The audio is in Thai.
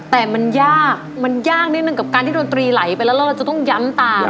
แต่มันยากมันยากนิดนึงกับการที่ดนตรีไหลไปแล้วแล้วเราจะต้องย้ำตาม